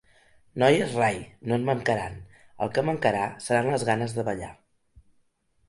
Noies rai, no en mancaran: el que mancarà seran les ganes de ballar.